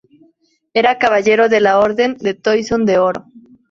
Era Caballero de la Orden del Toisón de Oro.